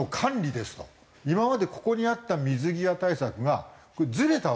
今までここにあった水際対策がずれたわけだ今度。